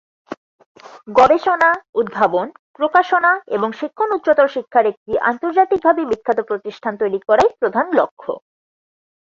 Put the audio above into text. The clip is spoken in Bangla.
গবেষণা, উদ্ভাবন, প্রকাশনা এবং শিক্ষণ উচ্চতর শিক্ষার একটি আন্তর্জাতিকভাবে বিখ্যাত প্রতিষ্ঠান তৈরী করাই প্রধান লক্ষ।